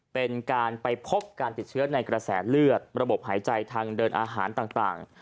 เป็นการไปพบการติดเชื้อในกระแสเลือดระบบหายใจทางเดินอาหารต่าง